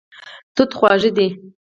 توت خواږه دی.